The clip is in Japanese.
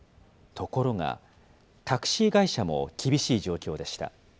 ところが、タクシー会社も厳しい状況でした。